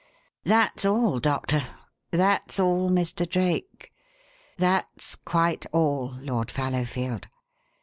That's all, Doctor; that's all, Mr. Drake; that's quite all, Lord Fallowfield.